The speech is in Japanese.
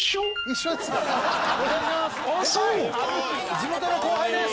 地元の後輩です。